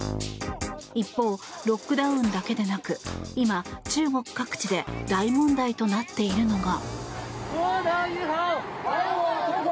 一方、ロックダウンだけでなく今、中国各地で大問題となっているのが。